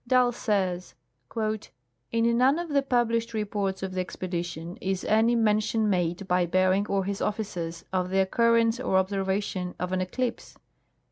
Dall says :" In none of the published reports of the expedition is any mention made by Bering or his officers of the occurrence or observation of an eclipse.